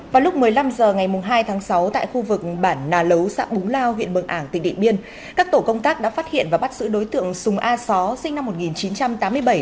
vào lúc một mươi năm h ngày hai tháng sáu tại khu vực bản nà lấu xã búng lao huyện mường ảng tỉnh điện biên các tổ công tác đã phát hiện và bắt giữ đối tượng sùng a só sinh năm một nghìn chín trăm tám mươi bảy